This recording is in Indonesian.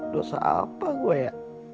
dosa apa gua ya